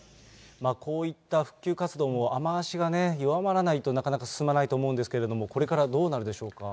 こういった復旧活動も雨足が弱まらないとなかなか進まないと思うんですけれども、これからどうなるでしょうか。